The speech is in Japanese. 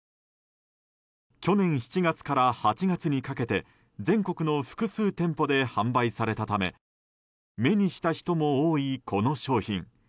去年７月から８月にかけて全国の複数店舗で販売されたため目にした人も多いこの商品。